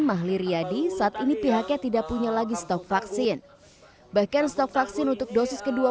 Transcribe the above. mahli riyadi saat ini pihaknya tidak punya lagi stok vaksin bahkan stok vaksin untuk dosis kedua